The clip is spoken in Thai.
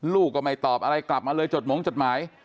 ลูกก็ไม่ตอบอะไรกลับมาเลยจดหมงจดหมาย